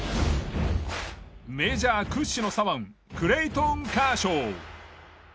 メジャー屈指の左腕クレイトン・カーショー。